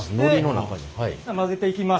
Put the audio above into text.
混ぜていきます。